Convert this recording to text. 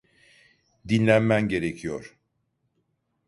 Dinlenmen gerekiyor.